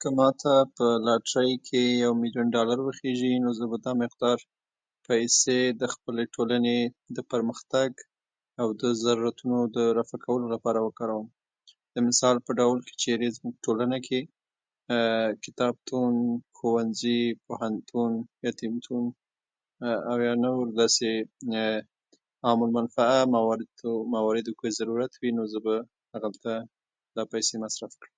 که ماته په لاټرۍ کې یو میلیون دالر وخیجي، نو زه به دا مقدار پیسې د خپلې ټولنې د پرمختګ او د ضرورتونو د رفع کولو لپاره وکاروم. د مثال په ډول، که چېرې زموږ په ټولنه کې کتابتون، ښوونځي، پوهنتون، يتیمتون، او یا نور داسې عام المنفعه مواردو مواردو کې ضرورت وي، نو زه به هلته دا پیسې مصرف کړم.